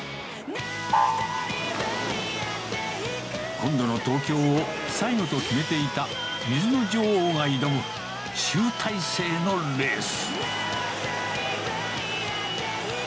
今度の東京を最後と決めていた水の女王が挑む集大成のレース。